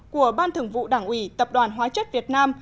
của ban thường vụ đảng ủy tập đoàn hóa chất việt nam